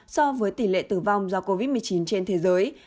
so với tỷ lệ tử vong do covid một mươi chín trên thế giới hai một